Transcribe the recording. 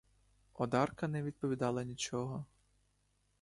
Одарка не відповідала нічого.